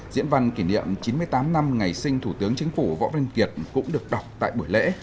diễn văn kỷ niệm chín mươi tám năm ngày sinh thủ tướng chính phủ võ văn kiệt cũng được đọc tại buổi lễ